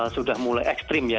sudah mulai ekstrim ya